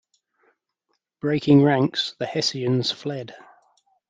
Breaking ranks, the Hessians fled.